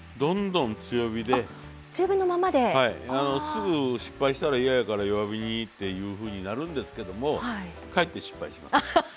すぐ失敗したら嫌やから弱火っていうふうになるんですけどもかえって失敗します。